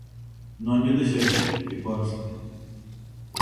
Non llo desexo, que conste.